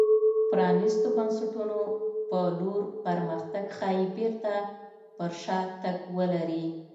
پرانېستو بنسټونو په لور پرمختګ ښايي بېرته پر شا تګ ولري.